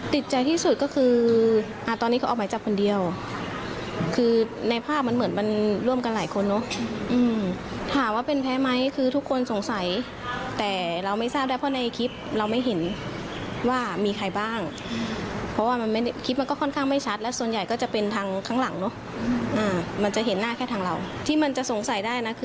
ติดใจที่สุดก็คืออ่าตอนนี้ก็ออกหมายจับคนเดียวคือในภาพมันเหมือนมันร่วมกันหลายคนเนอะถามว่าเป็นแพ้ไหมคือทุกคนสงสัยแต่เราไม่ทราบได้เพราะในคลิปเราไม่เห็นว่ามีใครบ้างเพราะว่ามันไม่คลิปมันก็ค่อนข้างไม่ชัดและส่วนใหญ่ก็จะเป็นทางข้างหลังเนอะมันจะเห็นหน้าแค่ทางเราที่มันจะสงสัยได้นะคือ